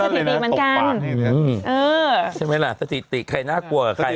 เออใช่ไหมล่ะสถิติใครน่ากลัวกับใคร